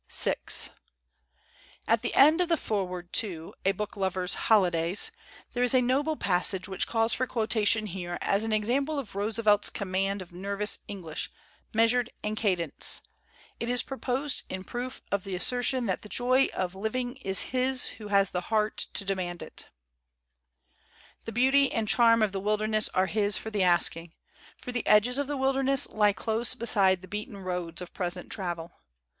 VI AT the end of the Foreword to 'A Book lover's Holidays,' there is a noble passage wlnYh calls for quotation here as an example of Roose velt's command of nervous English, measured and cadenced. It is proposed in proof of the 249 THEODORE ROOSEVELT AS A MAN OF LETTERS assertion that the joy of living is his who has the heart to demand it: The beauty and charm of the wilderness are his for the asking, for the edges of the wilderness lie close beside the beaten roads of present travel.